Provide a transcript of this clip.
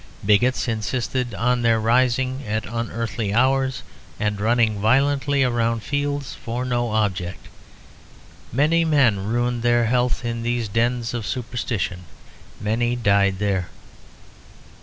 Bigots insisted on their rising at unearthly hours and running violently around fields for no object. Many men ruined their health in these dens of superstition, many died there.